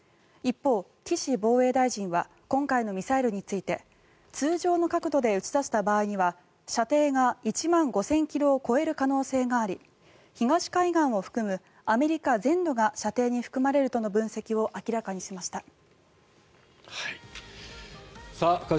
一方、岸防衛大臣は今回のミサイルについて通常の角度で打ち出した場合には射程が１万５０００ｋｍを超える可能性があり東海岸を含むアメリカ全土が射程に含まれるとの分析を明らかにしました。